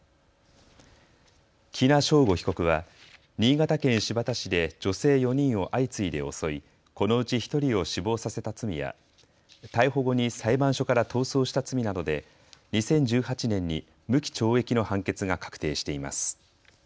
喜納尚吾被告は、新潟県新発田市で女性４人を相次いで襲い、このうち１人を死亡させた罪や、逮捕後に裁判所から逃走した罪などで、２０１８年に無期懲役の判決が確定しています。